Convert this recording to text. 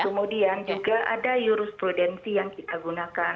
kemudian juga ada jurus prudensi yang kita gunakan